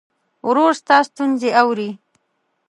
ورور ستا ستونزې اوري.